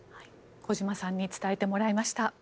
小島さんに伝えてもらいました。